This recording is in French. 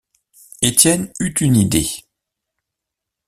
Étienne eut une idée.